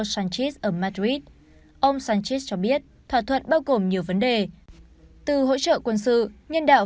sánchit ở madrid ông sánchez cho biết thỏa thuận bao gồm nhiều vấn đề từ hỗ trợ quân sự nhân đạo